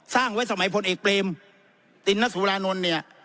สร้างไว้สมัยพลเอกเปรมตินนสุรานนท์เนี่ย